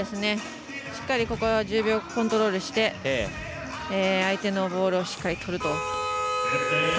しっかり、ここは１０秒コントロールして相手のボールをしっかり取ると。